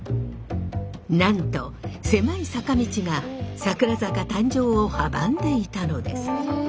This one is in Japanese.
なんと狭い坂道が桜坂誕生を阻んでいたのです。